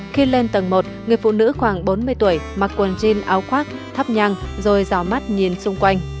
khi lên tầng một người phụ nữ khoảng bốn mươi tuổi mặc quần jn áo khoác thắp nhang rồi gió mắt nhìn xung quanh